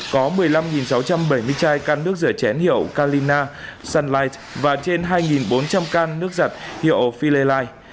có một mươi năm sáu trăm bảy mươi chai can nước rửa chén hiệu calina sunlife và trên hai bốn trăm linh can nước giặt hiệu file